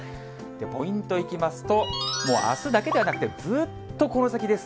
ポイントいきますと、もうあすだけではなくて、ずっとこの先です。